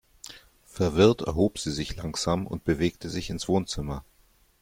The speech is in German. Verwirrt erhob sie sich langsam und bewegte sich ins Wohnzimmer.